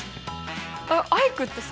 あっアイクってさ